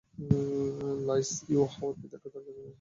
লাঈছ ইউহাওয়ার পিতাকে তার কাছে নিয়ে আসতে অনুরোধ জানায়।